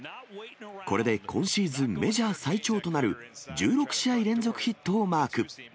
これで今シーズン、メジャー最長となる１６試合連続ヒットをマーク。